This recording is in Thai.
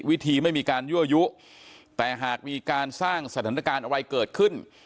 วิธีไม่มีการยั่วยุแต่หากมีการสร้างสถานการณ์อะไรเกิดขึ้น